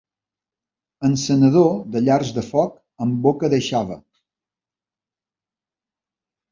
Encenedor de llars de foc en boca de xava.